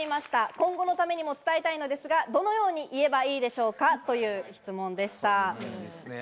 今後のためにも伝えたいのですが、どのように言えばいいでしょうかという質問でした。